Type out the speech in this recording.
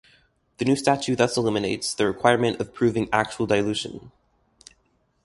The new statute thus eliminates the requirement of proving actual dilution.